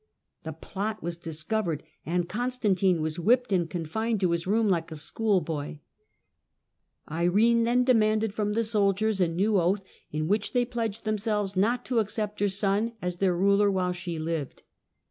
The plot was discovered, and Constantine was vhipped and confined to his room like a schoolboy, rene then demanded from the soldiers a new oath, in vhich they pledged themselves not to accept her son as heir ruler while she lived.